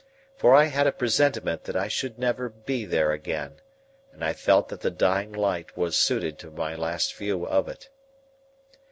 For I had a presentiment that I should never be there again, and I felt that the dying light was suited to my last view of it.